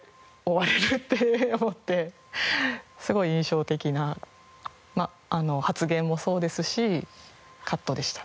すごい印象的なまあ発言もそうですしカットでしたね。